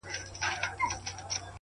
څخه چي څه ووايم څنگه درته ووايم چي؛